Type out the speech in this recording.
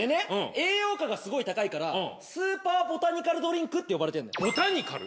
栄養価がすごい高いからスーパーボタニカルドリンクって呼ばれてんのよボタニカル？